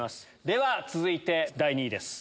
では続いて第２位です。